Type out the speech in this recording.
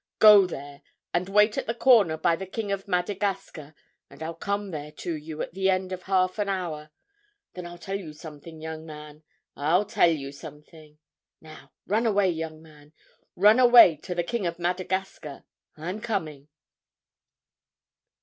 "Go there, and wait at the corner by the 'King of Madagascar,' and I'll come there to you at the end of half an hour. Then I'll tell you something, young man—I'll tell you something. Now run away, young man, run away to the 'King of Madagascar'—I'm coming!"